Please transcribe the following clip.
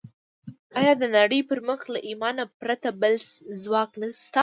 ايا د نړۍ پر مخ له ايمانه پرته بل ځواک شته؟